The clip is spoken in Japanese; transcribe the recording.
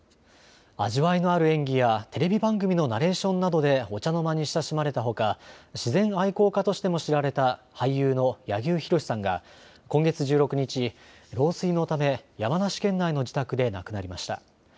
味わいのある演技やテレビ番組のナレーションなどでお茶の間に親しまれたほか自然愛好家としても知られた俳優の柳生博さんが今月１６日、老衰のため山梨県内の自宅で亡くなりました。